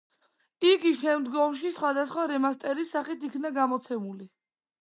იგი შემდგომში სხვადასხვა რემასტერის სახით იქნა გამოცემული.